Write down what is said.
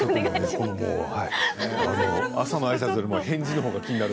朝のあいさつよりも返事のほうが気になる。